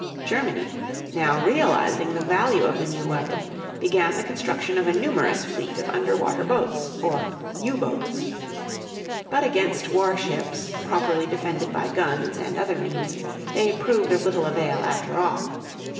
Germany, now realizing the value of the new weapon, began the construction of a numerous fleet of underwater boats, or U boats. But against war ships, properly defended by guns and other means, they proved of little avail after all.